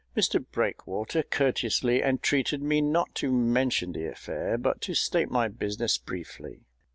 Mr BREAKWATER courteously entreated me not to mention the affair, but to state my business briefly.